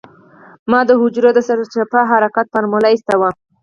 ما د حجرو د سرچپه حرکت فارموله اېستې وه.